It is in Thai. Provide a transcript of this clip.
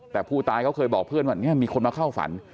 แต่ผู้ตายเขาเคยบอกเพื่อนว่าเนี่ยมีคนมาเข้าฝัน